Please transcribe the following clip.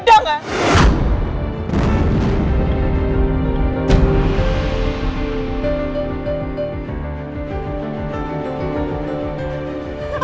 ada gak aku tanya